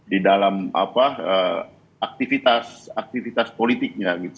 di dalam apa aktivitas aktivitas politiknya gitu